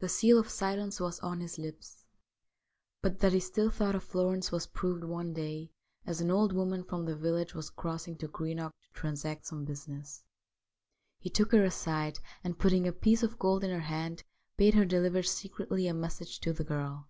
The seal of silence was on his lips. But that he still thought of Florence was proved one day as an old woman from the village was crossing to Greenock to transact some business. He took her aside, and, putting a piece of gold in her hand, bade her deliver secretly a message to the girl.